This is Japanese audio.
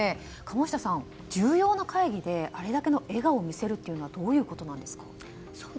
鴨下さん、重要な会議であれだけの笑顔を見せるというのはどういうことですか？